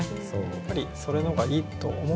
やっぱりそれの方がいいと思ってしまうけど。